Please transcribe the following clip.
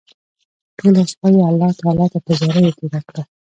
ټوله شپه يې الله تعالی ته په زاريو تېره کړه